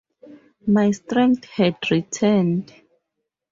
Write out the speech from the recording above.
My strength had returned.